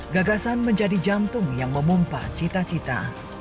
gagasan menjadi jantung yang memumpah cita cita